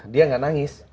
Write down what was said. dia enggak nangis